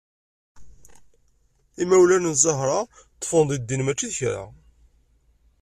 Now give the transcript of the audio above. Imawlan n Zahra ṭṭfen di ddin mačči d kra.